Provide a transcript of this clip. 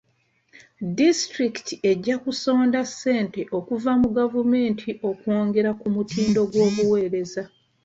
Disitulikiti ejja kusonda ssente okuva mu gavumenti okwongera ku mutindo gw'obuweereza.